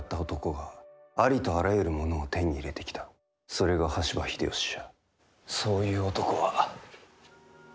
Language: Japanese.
それが羽柴秀吉じゃ。